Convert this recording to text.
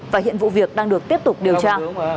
và hiện vụ việc đang được tiếp tục điều tra